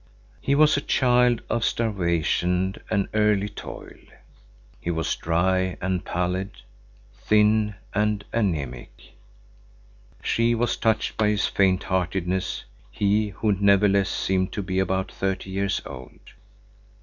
He was a child of starvation and early toil. He was dry and pallid, thin and anaemic. She was touched by his faintheartedness; he who nevertheless seemed to be about thirty years old.